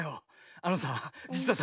あのさじつはさ